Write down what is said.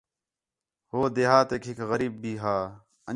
ہو دیہاتیک ہِک غریب بھی ہا